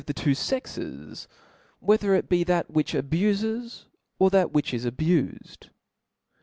the two fexe^, ^whether it bfe that which sfbufes, of that which 1$ .abufed.